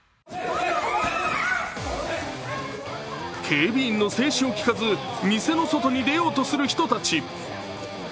警備員の制止を聞かず、店の外に出ようとする人たち。